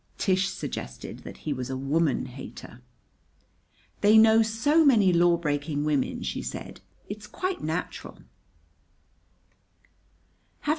Tish suggested that he was a woman hater. "They know so many lawbreaking women," she said, "it's quite natural."